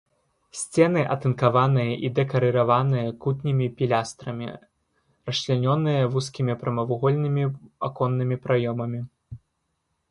Сцены атынкаваныя і дэкарыраваныя кутнімі пілястрамі, расчлянёныя вузкімі прамавугольнымі аконнымі праёмамі.